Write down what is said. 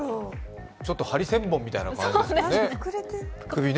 ちょっとハリセンボンみたいな感じですよね、首ね。